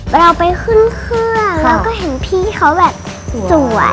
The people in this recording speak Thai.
เราไปขึ้นเครื่องเราก็เห็นพี่เขาแบบจัว